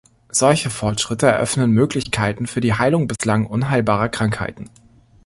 Solche Fortschritte eröffnen Möglichkeiten für die Heilung bislang unheilbarer Krankheiten.